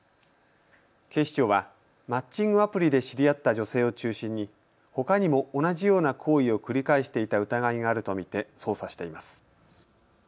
警視庁はマッチングアプリで知り合った女性を中心にほかにも同じような行為を繰り返していた疑いがあると見て捜査しています。